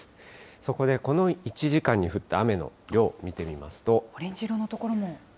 そこでこの１時間に降った雨の量オレンジ色の所も。